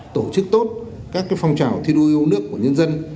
tổ chức tốt các phong trào thi đua yêu nước của nhân dân